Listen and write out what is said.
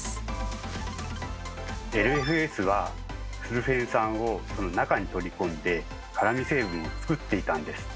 ＬＦＳはスルフェン酸をその中に取り込んで辛み成分をつくっていたんです。